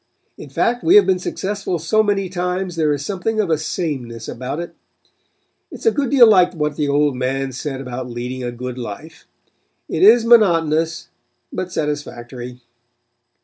In fact we have been successful so many times there is something of a sameness about it. It is a good deal like what the old man said about leading a good life. It is monotonous, but satisfactory.